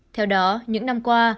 theo đó những năm qua